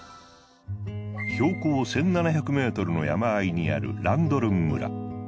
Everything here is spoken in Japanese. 標高１，７００ｍの山あいにあるランドルン村。